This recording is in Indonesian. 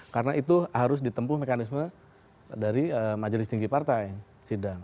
karena itu harus ditempuh mekanisme dari majelis tinggi partai sidang